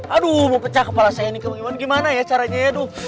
aduh mau pecah kepala saya ini kemenggungan gimana ya caranya ya